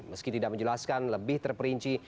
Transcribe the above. meski tidak menjelaskan lebih terperinci